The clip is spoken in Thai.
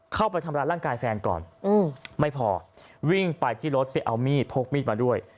เข้าไปทำร้ายร่างกายแฟนก่อนไม่พอวิ่งไปที่รถไปเอามีดพกมีดมาด้วย